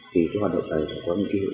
thì hoạt động này có một kỷ hữu